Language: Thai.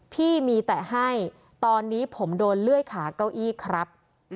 พี่มีแต่ให้ตอนนี้ผมโดนเลื่อยขาเก้าอี้ครับ